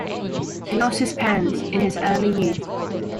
He lost his parents in his early youth.